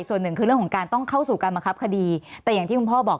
ส่วนหนึ่งคือเรื่องของการต้องเข้าสู่การบังคับคดีแต่อย่างที่คุณพ่อบอก